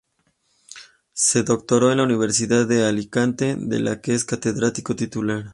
Se doctoró en la Universidad de Alicante, de la que es Catedrático titular.